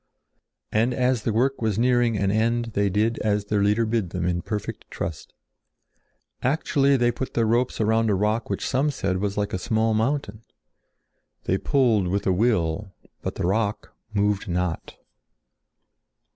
And as the work was nearing an end they did as their Leader bid them in perfect trust. Actually they put their ropes around a rock which some said was like a small mountain. They pulled with a will, but the rock moved not.